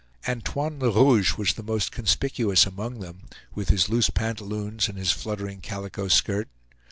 Antoine Le Rouge was the most conspicuous among them, with his loose pantaloons and his fluttering calico skirt.